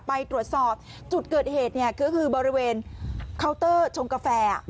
ไปตรวจสอบจุดเกิดเหตุเนี่ยก็คือบริเวณเคาน์เตอร์ชงกาแฟ